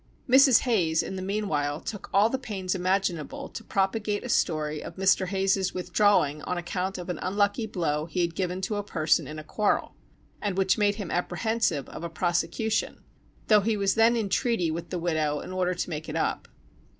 Mrs. Hayes, in the meanwhile, took all the pains imaginable to propagate a story of Mr. Hayes's withdrawing on account of an unlucky blow he had given to a person in a quarrel, and which made him apprehensive of a prosecution, though he was then in treaty with the widow in order to make it up.